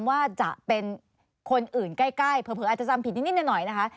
ว่าจะเป็นคนอื่นใกล้เผลออาจจะจำผิดนิดหน่อยนะคะ